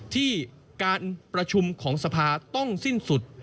ที่การประชุมของสภาต้องสิ้นสุด